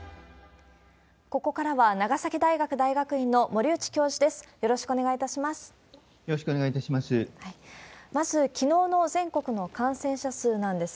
ここからは長崎大学大学院の森内教授です。